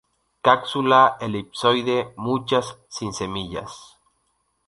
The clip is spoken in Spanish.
Cápsula, elipsoide, muchas sin semillas.